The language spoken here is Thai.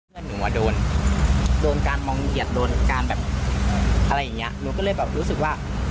แล้วก็แยกย้ายกันไปเธอก็เลยมาแจ้งความ